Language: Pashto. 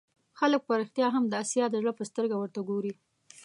خلک په رښتیا هم د آسیا د زړه په سترګه ورته وګوري.